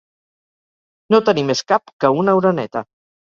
No tenir més cap que una oreneta.